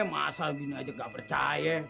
masa gini aja gak percaya